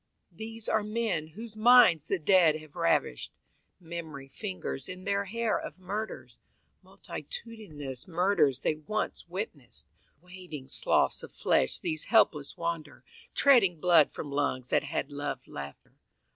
These are men whose minds the Dead have ravished. Memory fingers in their hair of murders, Multitudinous murders they once witnessed. Wading sloughs of flesh these helpless wander, Treading blood from lungs that had loved laughter.